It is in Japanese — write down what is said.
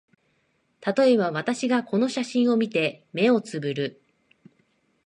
たとえば、私がこの写真を見て、眼をつぶる